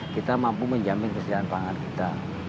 kita mampu menjamin kesejahteraan pangan kita